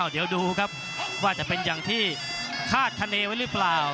เดี๋ยวดูครับว่าจะเป็นอย่างที่คาดคณีไว้หรือเปล่า